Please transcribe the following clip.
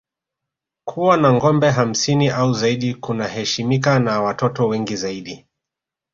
Kuwa na ngombe hamsini au zaidi kunaheshimika na watoto wengi zaidi